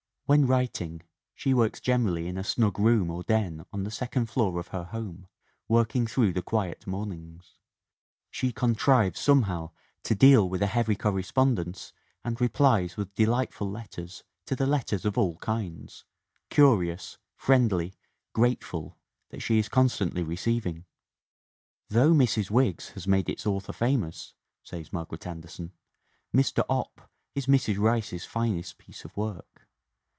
When writing she works generally in a snug room or den on the second floor of her home, working through the quiet mornings. She contrives somehow to deal with a heavy correspondence and replies with delightful letters to the letters of all kinds curious, friendly, grateful that she is constantly receiving. "Though Mrs. Wiggs has made its author famous," says Margaret Anderson, "Mr. Opp is Mrs. Rice's finest piece of work.